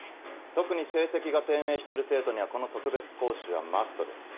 特に成績が低迷している生徒にはこの特別講習はマストです。